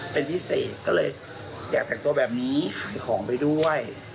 เป็นพิเศษก็เลยอยากแต่งตัวแบบนี้ขายของไปด้วย